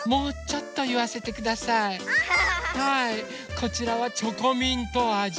こちらはチョコミントあじ。